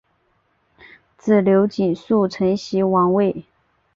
子刘景素承袭王位。